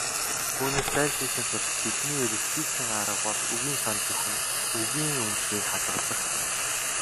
Үүнээс зайлсхийхийн тулд бидний эрэлхийлсэн арга бол үгийн санд зөвхөн "үгийн үндсийг хадгалах" юм.